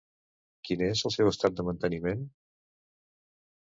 Quin és el seu estat de manteniment?